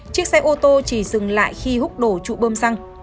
chiếc xe ô tô chỉ dừng lại khi hút đổ trụ bơm xăng